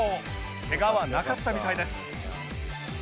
ケガはなかったみたいです